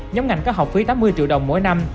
nhóm ngành có học phí tám mươi triệu đồng mỗi năm